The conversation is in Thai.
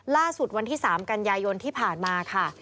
ล่าสุดวันที่๓กันยายนที่ผ่านมาค่ะ